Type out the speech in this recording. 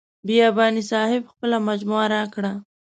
بیاباني صاحب خپله مجموعه راکړه.